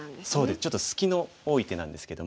ちょっと隙の多い手なんですけども。